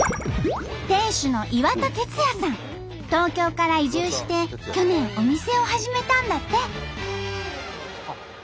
店主の東京から移住して去年お店を始めたんだって。